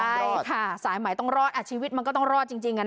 ใช่ค่ะสายไหมต้องรอดอ่ะชีวิตมันก็ต้องรอดจริงอ่ะนะคะ